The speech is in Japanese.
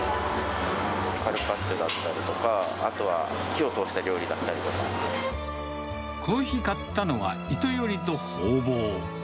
カルパッチョだったりとか、あとは、この日買ったのは、イトヨリとホウボウ。